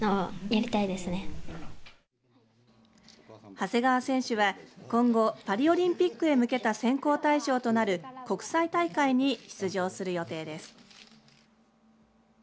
長谷川選手は今後パリオリンピックへ向けた選考対象となる国際大会に出場する予定です。